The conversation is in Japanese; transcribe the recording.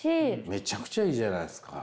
めちゃくちゃいいじゃないすか。